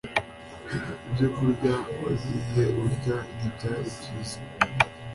Ibyokurya wagiye urya ntibyari byiza